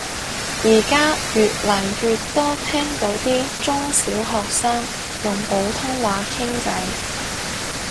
而家越嚟越多聽到啲中小學生用普通話傾偈